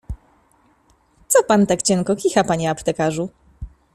— Co pan tak cienko kicha, panie aptekarzu?